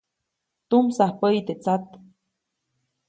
Tumsaj päyi te tsat.